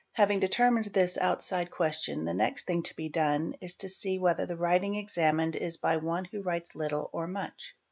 Having determined this outside question the next thing to be done is to see whether the writing examined is by one who writes little or much.